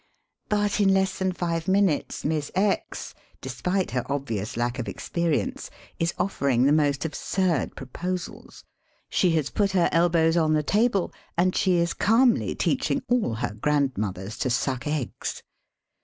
But in less than five minutes Miss X, de spite her obvious lack of experience, is offering SOME AXIOMS ABOUT WAR WORK 83 the most absurd proposals; she has put her el bows on the table; and she is calmly teaching all her grandmothers to suck eggs.